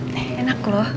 nih enak loh